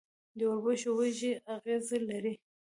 د وربشو وږی اغزي لري.